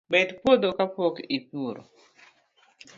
Bet puotho kapok ipuro